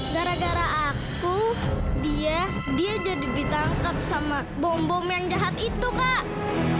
gara gara aku dia jadi ditangkap sama bom bom yang jahat itu kak